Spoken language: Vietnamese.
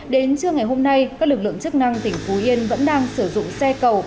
đến trưa ngày hôm nay các lực lượng chức năng tỉnh phú yên vẫn đang sử dụng xe cầu